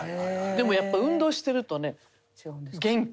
でもやっぱ運動してるとね元気。